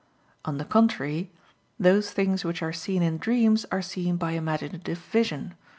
On the contrary, Those things which are seen in dreams are seen by imaginative vision.